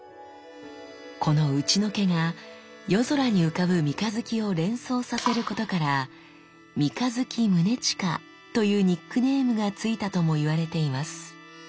この打除けが夜空に浮かぶ三日月を連想させることから三日月宗近というニックネームが付いたとも言われています。